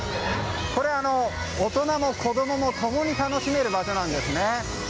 ここは大人も子供も共に楽しめる場所なんです。